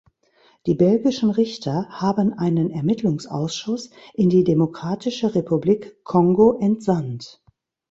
Die belgischen Richter haben einen Ermittlungsausschuss in die Demokratische Republik Kongo entsandt.